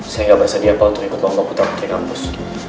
saya nggak bersedia apa untuk ikut lomba putra putri kampus